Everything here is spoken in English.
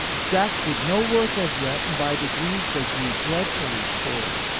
Jack did no work as yet, and by degrees they grew dreadfully poor.